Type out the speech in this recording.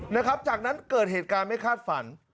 นะครับจากนั้นเกิดเหตุการณ์ไม่คาดฝัน